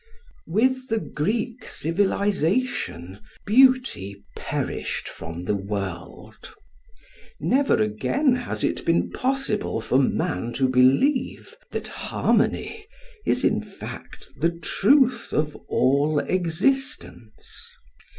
With the Greek civilisation beauty perished from the world. Never again has it been possible for man to believe that harmony is in fact the truth of all existence.